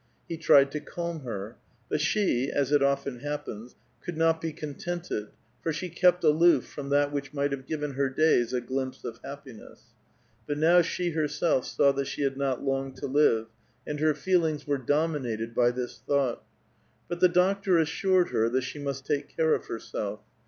lie tried to calm her ; but she, as it often happens, could not be con tented, for she kept aloof from that which might have given her days a glimpse of happiness ; but now slie herself saw that she had not long to live, and her feelings were domi nated by this thought : but the doctor assured her that she must take care of herself.